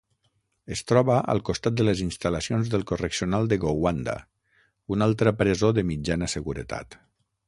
Es troba al costat de les instal·lacions del correccional de Gowanda, una altra presó de mitjana seguretat.